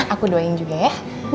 aku doain juga ya